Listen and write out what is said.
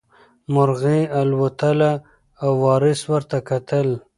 مرغۍ الوتله او وارث ورته کتل.